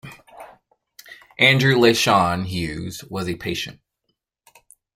Andrew Leyshon-Hughes was a patient.